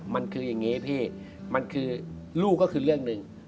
มันคือยังงี้นะครับพี่ลูกก็คือเรื่องนึง